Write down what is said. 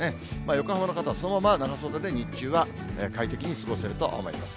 横浜の方はそのまま長袖で、日中は快適に過ごせると思います。